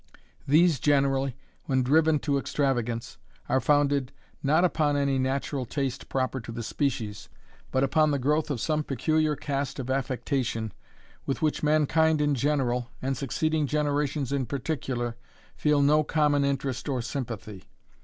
These generally, when driven to extravagance, are founded, not upon any natural taste proper to the species, but upon the growth of some peculiar cast of affectation, with which mankind in general, and succeeding generations in particular, feel no common interest or sympathy.